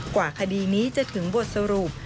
กว่าคดีนี้จะถึงบทสรุป